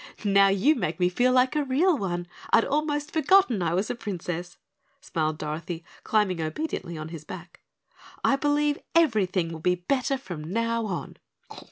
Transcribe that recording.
"Now you make me feel like a real one. I'd almost forgotten I was a Princess," smiled Dorothy, climbing obediently on his back. "I believe everything will be better from now on."